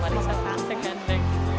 kan pak risa tante ganteng itu